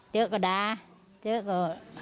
เยอะก็ด่าเจอก็